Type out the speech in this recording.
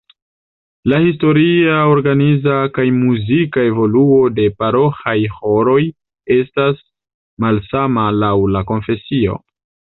La historia, organiza kaj muzika evoluo de paroĥaj ĥoroj estas malsama laŭ la konfesio.